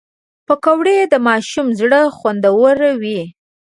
پکورې د ماشوم زړه خوندوروي